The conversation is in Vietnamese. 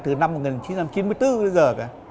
từ năm một nghìn chín trăm chín mươi bốn đến giờ kìa